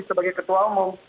sebagai ketua umum